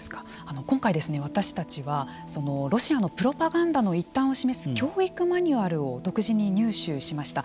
今回私たちはロシアのプロパガンダの一端を示す教育マニュアルを独自に入手しました。